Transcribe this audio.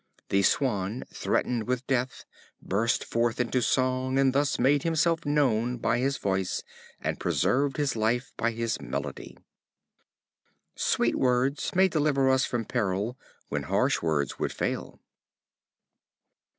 The Swan, threatened with death, burst forth into song, and thus made himself known by his voice, and preserved his life by his melody. Sweet words may deliver us from peril, when harsh words would fail.